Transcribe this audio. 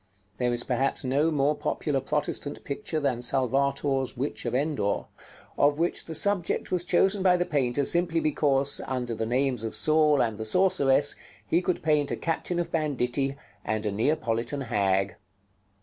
There is perhaps no more popular Protestant picture than Salvator's "Witch of Endor," of which the subject was chosen by the painter simply because, under the names of Saul and the Sorceress, he could paint a captain of banditti, and a Neapolitan hag.